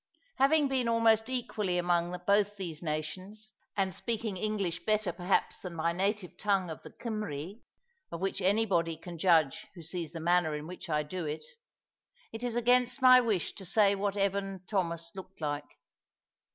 Having been almost equally among both these nations, and speaking English better perhaps than my native tongue of the Cymry of which anybody can judge who sees the manner in which I do it it is against my wish to say what Evan Thomas looked like.